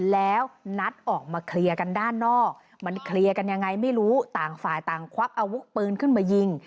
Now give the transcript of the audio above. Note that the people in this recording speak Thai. มันเคลียร์กันยังไงไม่รู้ต่างฝ่ายต่างควักอาวุธปืนขึ้นมายิง